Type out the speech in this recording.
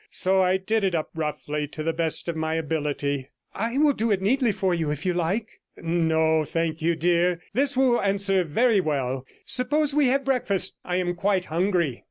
So I did it up roughly to the best of my ability.' 'I will do it neatly for you, if you like.' 'No, thank you, dear; this will answer very well. Suppose we have breakfast; I am quite hungry.'